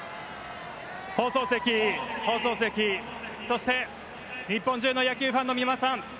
放送席、そして日本中の野球ファンの皆さん